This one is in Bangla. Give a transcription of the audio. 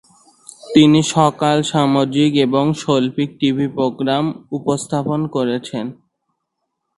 তিনি সকাল, সামাজিক এবং শৈল্পিক টিভি প্রোগ্রাম উপস্থাপন করেছেন।